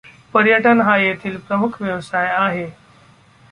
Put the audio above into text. पर्यटन हा येथील प्रमुख व्यवसाय आहे.